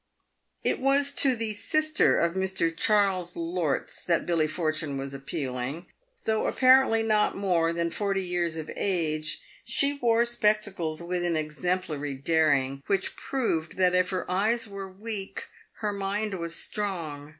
It was to the sister of Mr. Charles Lorts that Billy Eortune was ap pealing. Though apparently not more than forty years of age, she wore spectacles with an exemplary daring which proved that if her eyes were weak her mind was strong.